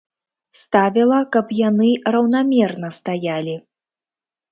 Ставіла, каб яны раўнамерна стаялі.